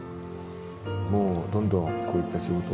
もうどんどんこういった仕事は